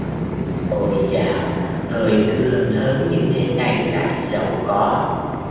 Ôi dào hơi cứ hơn hớn như thế này lại giàu có